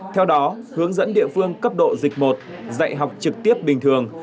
theo đó hướng dẫn địa phương cấp độ dịch một dạy học trực tiếp bình thường